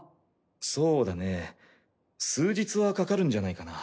そうだね数日はかかるんじゃないかな。